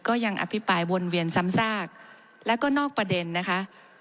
อภิปรายวนเวียนซ้ำซากแล้วก็นอกประเด็นนะคะ